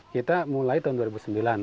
kita mulai tahun dua ribu sembilan